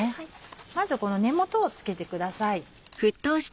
まずこの根元をつけてください。